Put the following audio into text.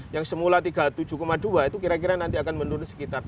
yang semula tiga puluh tujuh dua itu kira kira nanti akan menurun sekitar